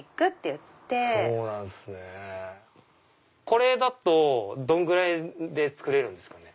これだとどんぐらいで作れるんですかね？